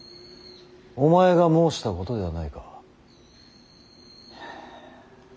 お前が申したことではないか。